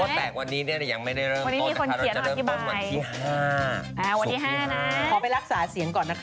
คุณแม่วันนี้มีคนบอกด้วยวันนี้ดีใจมากจะได้ดูโป๊ะแตกแล้ว